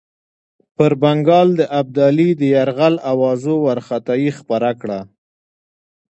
پر بنګال د ابدالي د یرغل آوازو وارخطایي پیدا کړه.